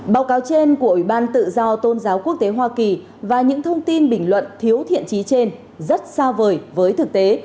báo cáo trên của ủy ban tự do tôn giáo quốc tế hoa kỳ và những thông tin bình luận thiếu thiện trí trên rất xa vời với thực tế